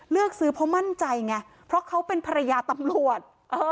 เลือกซื้อเพราะมั่นใจไงเพราะเขาเป็นภรรยาตำรวจ